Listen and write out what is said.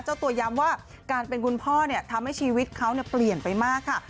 เจ้าตัวย้ำว่าการเป็นคุณพ่อทำให้ชีวิตเขาเปลี่ยนไปมากค่ะ